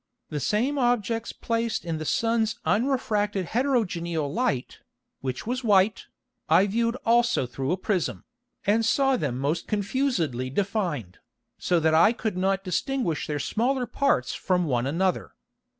The same Objects placed in the Sun's unrefracted heterogeneal Light, which was white, I viewed also through a Prism, and saw them most confusedly defined, so that I could not distinguish their smaller Parts from one another.